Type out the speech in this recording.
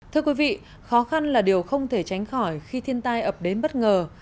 thưa quý vị khó khăn là điều không thể tránh khỏi khi thiên tai ập đến bất ngờ